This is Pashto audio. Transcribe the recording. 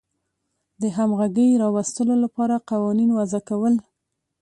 د همغږۍ راوستلو لپاره قوانین وضع کول.